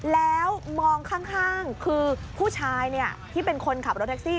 แล้วมองข้างคือผู้ชายที่เป็นคนขับรถแท็กซี่